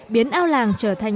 biến ao làng trở thành